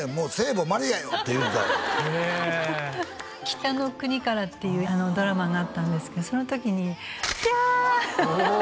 「北の国から」っていうドラマがあったんですけどその時にきゃ！